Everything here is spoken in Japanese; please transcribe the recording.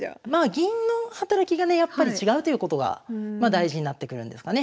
銀の働きがねやっぱり違うということが大事になってくるんですかね。